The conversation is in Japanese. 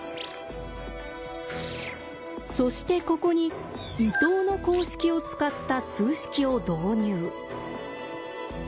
そしてここに伊藤の公式を使った数式を導入。